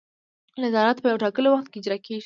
نظارت په یو ټاکلي وخت کې اجرا کیږي.